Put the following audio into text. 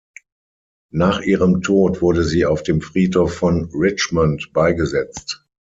Nach ihrem Tod wurde sie auf dem Friedhof von Richmond beigesetzt.